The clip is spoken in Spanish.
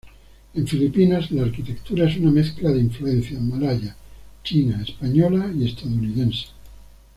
En Filipinas la arquitectura es una mezcla de influencia malaya, china, española y estadounidense.